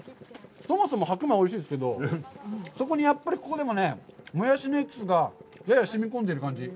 そもそも白米がおいしいですけど、そこにやっぱりここでもね、もやしのエキスがやや染み込んでいる感じ。